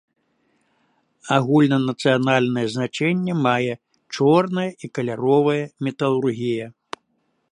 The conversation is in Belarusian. Агульнанацыянальнае значэнне мае чорная і каляровая металургія.